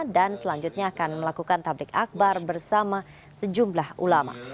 dan selanjutnya akan melakukan tablik akbar bersama sejumlah ulama